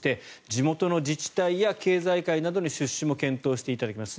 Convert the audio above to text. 地元の自治体や経済界などに出資を検討していただきます